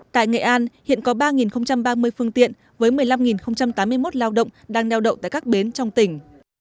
tại nghệ an hiện có ba ba mươi phương tiện với một mươi năm tám mươi một lao động đang neo đậu tại các bến trong tỉnh